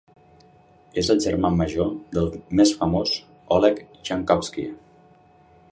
És el germà major del més famós Oleg Yankovsky.